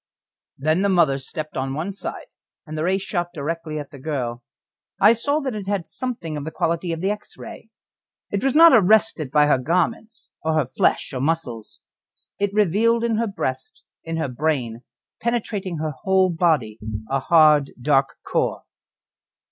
Then the mother stepped on one side, and the ray shot directly at the girl. I saw that it had something of the quality of the X ray. It was not arrested by her garments, or her flesh or muscles. It revealed in her breast, in her brain penetrating her whole body a hard, dark core.